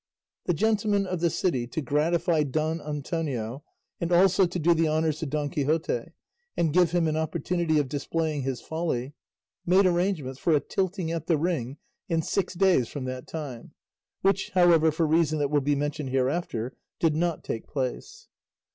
The gentlemen of the city, to gratify Don Antonio and also to do the honours to Don Quixote, and give him an opportunity of displaying his folly, made arrangements for a tilting at the ring in six days from that time, which, however, for reason that will be mentioned hereafter, did not take place.